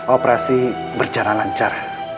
operasi berjalan lancar